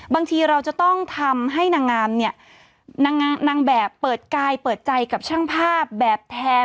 บางทีเราจะต้องทำให้นางงามเนี่ยนางแบบเปิดกายเปิดใจกับช่างภาพแบบแทน